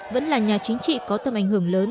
vẫn là nhà chính trị có tầm ảnh hưởng lớn